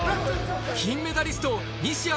金メダリスト西矢